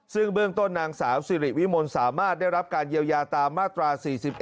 ซึ่งเบื้องต้นนางสาวสิริวิมลสามารถได้รับการเยียวยาตามมาตรา๔๑